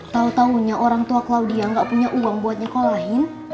tau taunya orang tua claudia gak punya uang buatnya kolahin